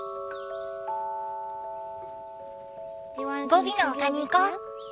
ゴビの丘に行こう。